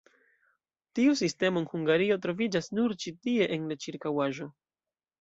Tiu sistemo en Hungario troviĝas nur ĉi tie en la ĉirkaŭaĵo.